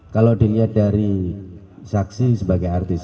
kalau dilihat dari saksi sebagai artis